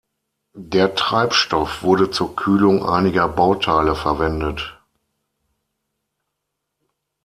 Der Treibstoff wurde zur Kühlung einiger Bauteile verwendet.